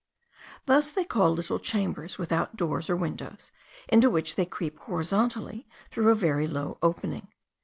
Thus they call little chambers, without doors or windows, into which they creep horizontally through a very low opening.